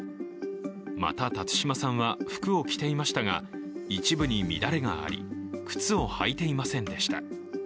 また、辰島さんは服を着ていましたが一部に乱れがあり、靴を履いていませんでした。